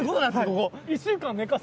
ここ。